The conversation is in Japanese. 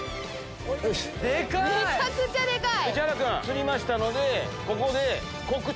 めちゃくちゃでかい！